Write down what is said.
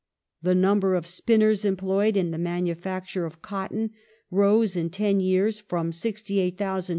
The number of spinners employed in the manufacture of cotton rose in ten years from 68,257 (1821) to 135,742.